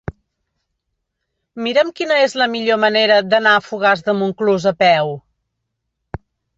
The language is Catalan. Mira'm quina és la millor manera d'anar a Fogars de Montclús a peu.